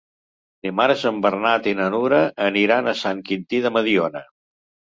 Dimarts en Bernat i na Nura aniran a Sant Quintí de Mediona.